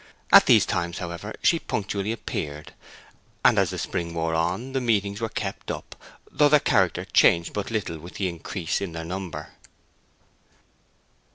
At these times, however, she punctually appeared, and as the spring wore on the meetings were kept up, though their character changed but little with the increase in their number.